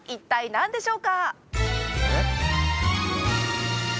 何でしょう？